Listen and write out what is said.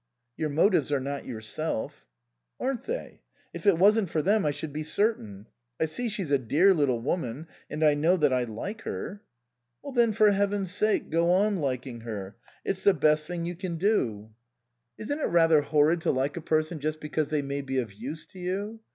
" Your motives are not yourself." " Aren't they ? If it wasn't for them I should be certain. I see she's a dear little woman, and I know that I like her." " Then for Heaven's sake go on liking her; it's the best thing you can do." 57 THE COSMOPOLITAN "Isn't it rather horrid to like a person just because they may be of use to you